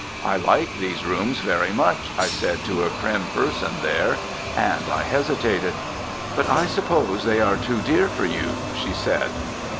"I like these rooms very much," I said to a prim person there, and I hesitated. "But I suppose they are too dear for you," she said.